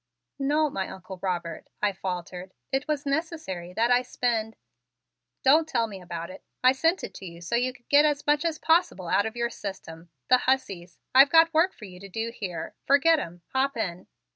"No, my Uncle Robert," I faltered. "It was necessary that I spend " "Don't tell me about it. I sent it to you so you could get as much as possible out of your system. The hussies! I've got work for you to do here. Forget 'em! Hop in!"